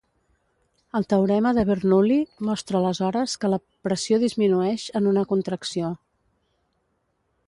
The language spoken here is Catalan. El teorema de Bernoulli mostra aleshores que la pressió disminueix en una contracció.